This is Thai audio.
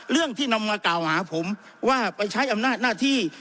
ที่นำมากล่าวหาผมว่าไปใช้อำนาจหน้าที่